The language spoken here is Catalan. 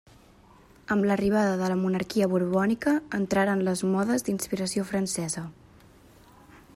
Amb l'arribada de la monarquia borbònica, entraren les modes d'inspiració francesa.